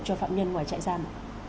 cho phạm nhân ngoài trại gian